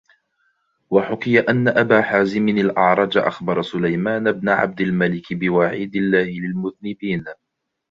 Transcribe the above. وَحُكِيَ أَنَّ أَبَا حَازِمٍ الْأَعْرَجَ أَخْبَرَ سُلَيْمَانَ بْنَ عَبْدِ الْمَلِكِ بِوَعِيدِ اللَّهِ لِلْمُذْنِبَيْنِ